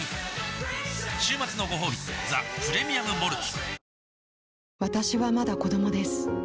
週末のごほうび「ザ・プレミアム・モルツ」